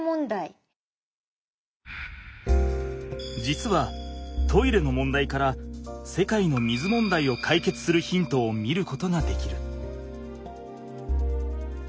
実はトイレの問題から世界の水問題を解決するヒントを見ることができる。